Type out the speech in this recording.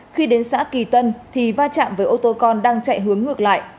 khi đến xã kỳ tân thì va chạm với ô tô con đang chạy hướng ngược lại